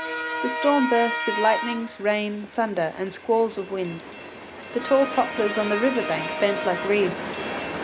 The storm burst with lightnings, rain, thunder, and squalls of wind. The tall poplars on the river bank bent like reeds.